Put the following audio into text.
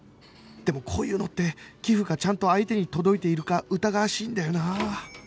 でもこういうのって寄付がちゃんと相手に届いているか疑わしいんだよな